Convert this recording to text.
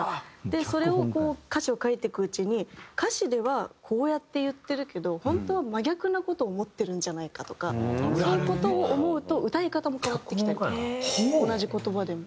それをこう歌詞を書いていくうちに歌詞ではこうやって言ってるけど本当は真逆な事を思ってるんじゃないかとかそういう事を思うと歌い方も変わってきたりとか同じ言葉でも。